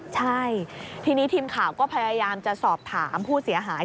ใช่ทีนี้ทีมข่าวก็พยายามจะสอบถามผู้เสียหาย